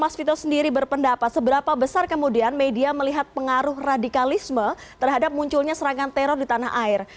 mas vito sendiri berpendapat seberapa besar kemudian media melihat pengaruh radikalisme terhadap munculnya serangan teror di tanah air